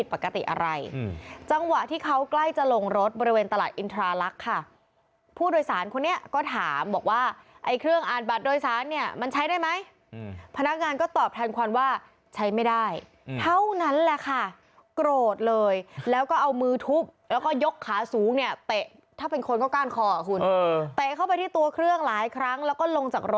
ปกติอะไรจังหวะที่เขาใกล้จะลงรถบริเวณตลาดอินทราลักษณ์ค่ะผู้โดยสารคนนี้ก็ถามบอกว่าไอ้เครื่องอ่านบัตรโดยสารเนี่ยมันใช้ได้ไหมพนักงานก็ตอบแทนควันว่าใช้ไม่ได้เท่านั้นแหละค่ะโกรธเลยแล้วก็เอามือทุบแล้วก็ยกขาสูงเนี่ยเตะถ้าเป็นคนก็ก้านคอคุณเตะเข้าไปที่ตัวเครื่องหลายครั้งแล้วก็ลงจากร